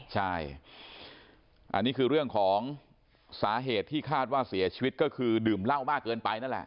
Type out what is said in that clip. ใช่อันนี้คือเรื่องของสาเหตุที่คาดว่าเสียชีวิตก็คือดื่มเหล้ามากเกินไปนั่นแหละ